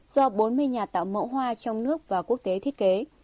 do bốn mươi nhà tạo mẫu hoa trong nước và quốc tế thiết kế